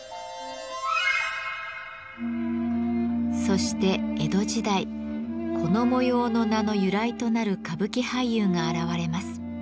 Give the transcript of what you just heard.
そして江戸時代この模様の名の由来となる歌舞伎俳優が現れます。